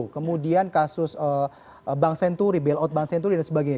kemudian kasus bank senturi bailout bank senturi dan sebagainya